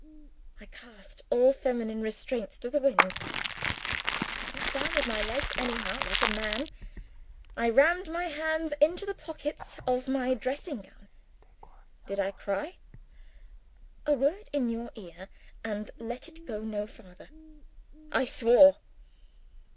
I cast all feminine restraints to the winds. I sat down with my legs anyhow, like a man. I rammed my hands into the pockets of my dressing gown. Did I cry? A word in your ear and let it go no farther. I swore.